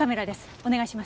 お願いします。